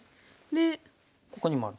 ここにもある。